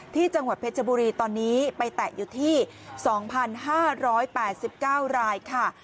ที่จังหวัดเพชรบุรีตอนนี้ไปแตะอยู่ที่๒๕๘๙รายค่ะ